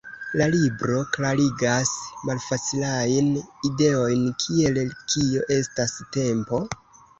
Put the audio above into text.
La libro klarigas malfacilajn ideojn, kiel "kio estas tempo?